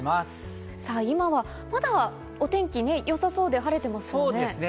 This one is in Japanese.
さぁ今はまだお天気ね、良さそうで晴れてますね。